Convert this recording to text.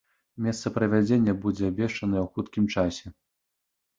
Месца правядзення будзе абвешчанае ў хуткім часе.